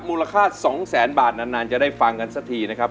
มูลค่า๒แสนบาทนานจะได้ฟังกันสักทีนะครับ